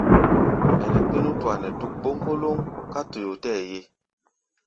Ɛnɛ kpé nútua nɛ́ dúk bóŋkólóŋ ká toyó tɛɛ́ ye.